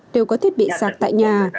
đều có thiết bị sạc tại nhà